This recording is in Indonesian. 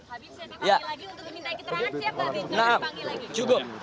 habib saya dipanggil lagi untuk diminta ikut rapor